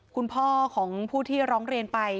คุณพ่อของผู้ที่ร้องเรียนไป